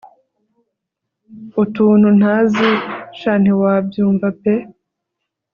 utuntu ntazi shn ntiwabyumva pe